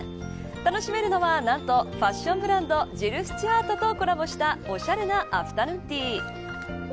楽しめるのは、何とファションブランドジル・スチュアートとコラボしたおしゃれなアフタヌーンティー。